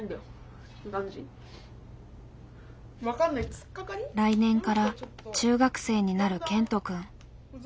じゃあ来年から中学生になるケントくん。